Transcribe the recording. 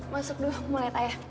masuk dulu mau lihat saya